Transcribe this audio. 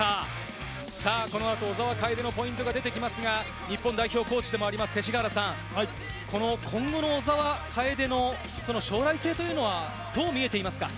この後、小澤楓のポイントが出てきますが、日本代表コーチでもあります勅使川原さん、今後の小澤楓の将来性というのはどう見えていますか？